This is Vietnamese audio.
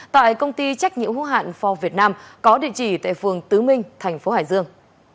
tại công ty trách nhiệm hữu hạn phong việt nam có địa chỉ tại phường tứ minh tp hải dương